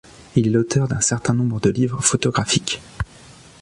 Il est l'auteur d'un certain nombre de livres photographiques.